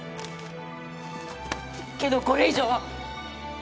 けどこれ以上は！